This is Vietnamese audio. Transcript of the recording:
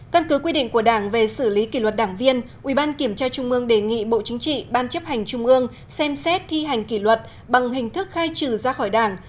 căn cứ quy định của đảng về xử lý kỷ luật đảng viên ủy ban kiểm tra trung ương đề nghị bộ chính trị ban chấp hành trung ương xem xét thi hành kỷ luật bằng hình thức khai trừ ra khỏi đảng